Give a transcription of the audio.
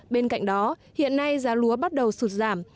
bên cạnh đó hiện nay giá lúa bắt đầu sụt giảm